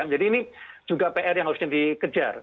jadi ini juga pr yang harusnya dikejar